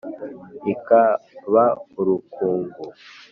Ikaba urukungu.